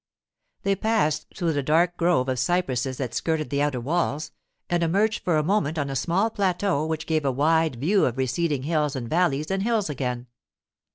They passed through the dark grove of cypresses that skirted the outer walls, and emerged for a moment on a small plateau which gave a wide view of receding hills and valleys and hills again.